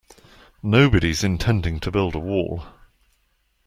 Nobody's intending to build a wall.